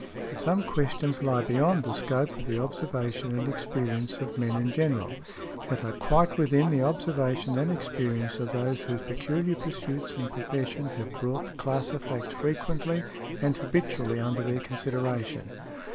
But some questions lie beyond the scope of the observation and experience of men in general, yet are quite within the observation and experience of those whose peculiar pursuits and profession have brought that class of facts frequently and habitually under their consideration.